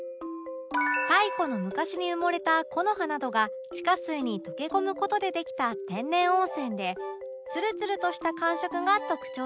太古の昔に埋もれた木の葉などが地下水に溶け込む事でできた天然温泉でツルツルとした感触が特徴的